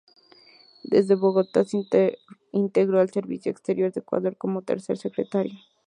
Desde Bogotá, se integró al servicio exterior de Ecuador, como tercer secretario.